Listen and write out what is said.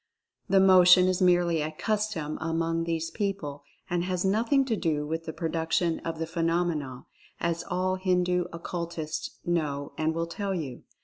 The motion is merely a custom among these people and has nothing to do with the produc tion of the phenomena, as all Hindu Occultists know and will tell you.